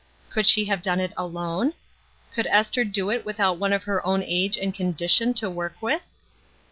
Could she have done it alone? Could Esther do it without one of her own age and condition to work with?